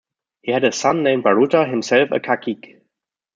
He had a son named Baruta, himself a Cacique.